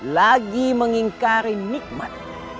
lagi mengingkari nikmat